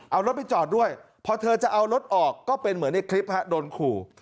เอารถไปจอดด้วยพอเธอจะเอารถออกก็เป็นเหมือนในคลิปฮะโดนขู่